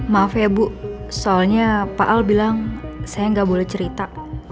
maaf ya bu soalnya pak al bilang saya nggak boleh cerita